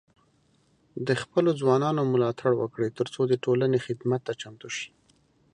د خپلو ځوانانو ملاتړ وکړئ، ترڅو د ټولنې خدمت ته چمتو شي.